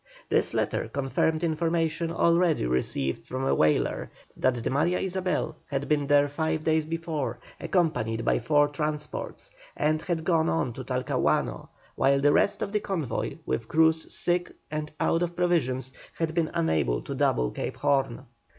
This letter confirmed information already received from a whaler that the Maria Isabel had been there five days before accompanied by four transports, and had gone on to Talcahuano, while the rest of the convoy with crews sick and out of provisions had been unable to double Cape Horn.